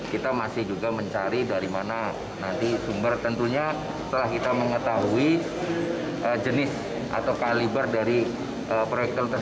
kita masih juga mencari dari mana nanti sumber tentunya setelah kita mengetahui jenis atau kaliber dari proyek tersebut